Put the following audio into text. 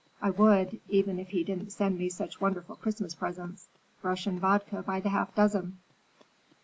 I would, even if he didn't send me such wonderful Christmas presents: Russian vodka by the half dozen!"